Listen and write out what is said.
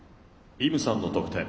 イムさんの得点。